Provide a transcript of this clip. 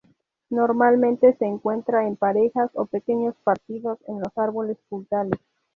Normalmente se encuentra en parejas o pequeños partidos en los árboles frutales.